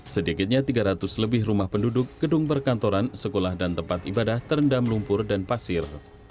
sedikitnya tiga ratus lebih rumah penduduk gedung perkantoran sekolah dan tempat ibadah terendam lumpur dan pasir